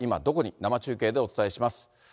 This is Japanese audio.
生中継でお伝えします。